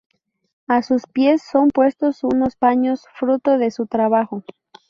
A sus pies son puestos unos paños, fruto de su trabajo.